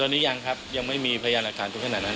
ตอนนี้ยังครับยังไม่มีพยานอักษรถึงขนาดนั้นนะครับ